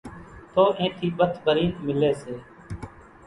تو اين ٿي ٻٿ ڀرين ملي سي